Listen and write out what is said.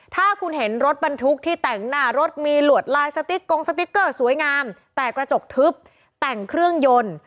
ถ้าคุณเห็นรถบรรทุกที่แต่งหน้ารถมีหลวดลายสติ๊กกงสติ๊กเกอร์สวยงามแต่กระจกทึบแต่งเครื่องยนต์